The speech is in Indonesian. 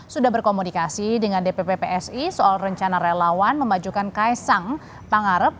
sudah berkomunikasi dengan dpp psi soal rencana relawan memajukan kaisang pangarep